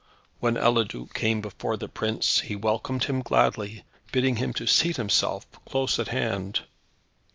When Eliduc came before the prince, he welcomed him gladly, bidding him to seat himself close at hand.